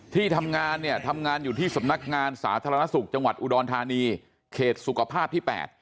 ที่ทำงานเนี่ยทำงานอยู่ที่สำนักงานสาธารณสุขจังหวัดอุดรธานีเขตสุขภาพที่๘